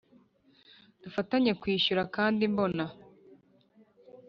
dufatanya kwishyura kandi mbona